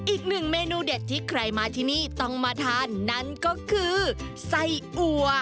อีกหนึ่งเมนูเด็ดที่ใครมาที่นี่ต้องมาทานนั่นก็คือไส้อัว